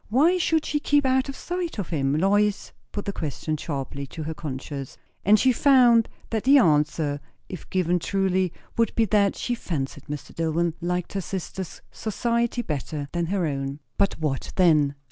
Why should she keep out of sight of him? Lois put the question sharply to her conscience. And she found that the answer, if given truly, would be that she fancied Mr. Dillwyn liked her sister's society better than her own. But what then?